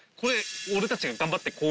俺たちが頑張って。